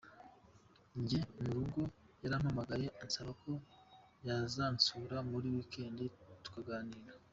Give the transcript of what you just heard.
Ngeze mu rugo yarampamagaye ansaba ko yazansura muri weekend tukaganira.